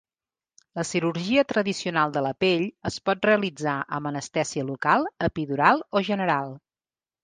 La cirurgia tradicional de la pell es pot realitzar amb anestèsia local, epidural o general.